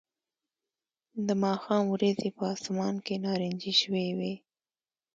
د ماښام وریځې په آسمان کې نارنجي شوې وې